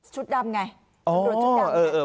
ชุดดำไง